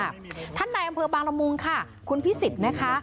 แผ่นเผยบางรมงค์คุณพิศิษฐ์